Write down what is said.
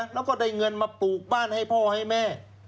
แล้วก็ได้เงินมาปลูกบ้านให้พ่อให้แม่